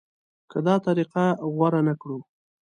که دا طریقه غوره نه کړو.